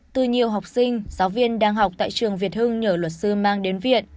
từ nhiều học sinh giáo viên đang học tại trường việt hưng nhờ luật sư mang đến viện